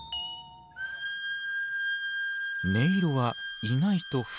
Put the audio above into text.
音色は意外と普通。